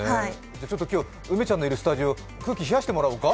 今日、梅ちゃんのいるスタジオ、空気冷やしてもらおうか？